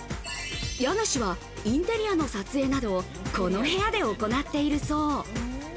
家主はインテリアの撮影などを、この部屋で行っているそう。